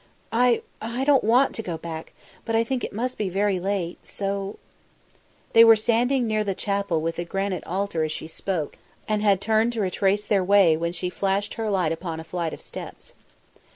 "I I don't want to go back, but I think it must be very late, so " They were standing near the chapel with the granite altar as she spoke, and had turned to retrace their way when she flashed her light upon a flight of steps.